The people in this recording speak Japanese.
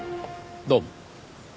どうも。